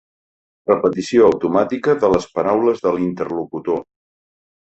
Repetició automàtica de les paraules de l'interlocutor.